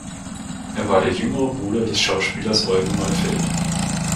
Er war der jüngere Bruder des Schauspielers Eugen Neufeld.